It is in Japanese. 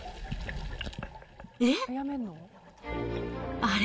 えっ？あれ？